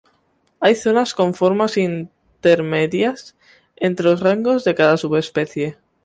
Hay zonas con formas intermedias entre los rangos de cada subespecie.